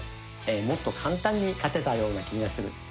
もっと簡単に勝てたような気がする。